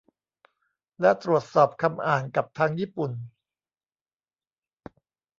และตรวจสอบคำอ่านกับทางญี่ปุ่น